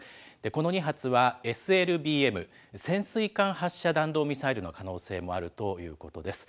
この２発は、ＳＬＢＭ・潜水艦発射弾道ミサイルの可能性もあるということです。